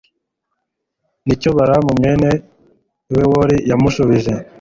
n'icyo balamu mwene bewori yamushubije